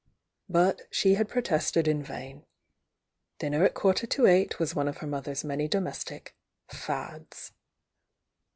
But she had protested in vain ; dinner at quar ter to eight was one of her mother's many domestic "fads."